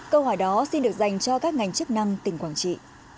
câu hỏi đó xin được dành cho các ngành chức năng tỉnh quảng trị